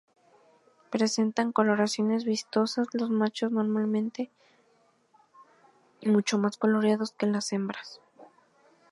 Presentan coloraciones vistosas, los machos normalmente mucho más coloreados que las hembras.